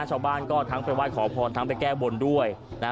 ชาวบ้านก็ทั้งไปไหว้ขอพรทั้งไปแก้บนด้วยนะ